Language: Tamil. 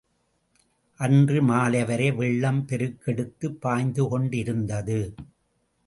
அன்று மாலைவரை வெள்ளம் பெருக்கெடுத்து பாய்ந்துகொண்டிருந்தது.